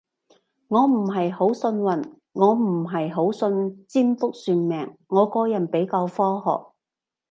我唔係好信運，我唔係好信占卜算命，我個人比較科學